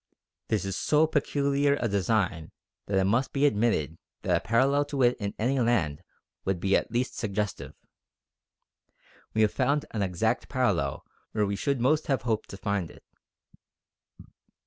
This is so peculiar a design that it must be admitted that a parallel to it in any land would be at least suggestive. We have found an exact parallel where we should most have hoped to find it.